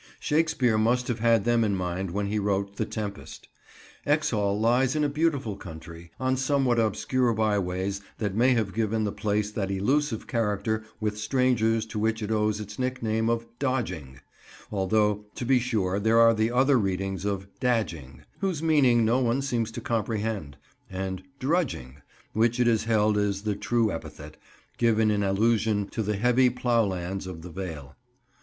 Shakespeare must have had them in mind when he wrote The Tempest. Exhall lies in a beautiful country, on somewhat obscure byways that may have given the place that elusive character with strangers to which it owes its nickname of "Dodging": although, to be sure there are the other readings of "Dadging," whose meaning no one seems to comprehend; and "Drudging," which it is held is the true epithet, given in allusion to the heavy ploughlands of the vale.